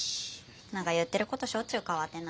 なんかやってることしょっちゅう変わってない？